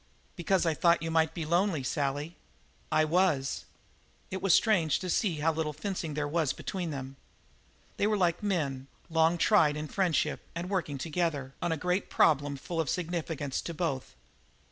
"Because I thought you might be lonely, Sally." "I was." It was strange to see how little fencing there was between them. They were like men, long tried in friendship and working together on a great problem full of significance to both.